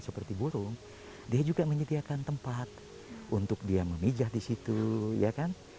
seperti burung dia juga menyediakan tempat untuk dia memijah di situ ya kan